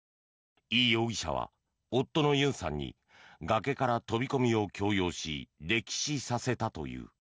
イ容疑者は夫のユンさんに崖から飛び込みを強要し溺死させたという。